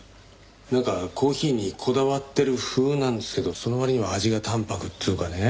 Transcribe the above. なんかコーヒーにこだわってる風なんですけどその割には味が淡泊っつうかね。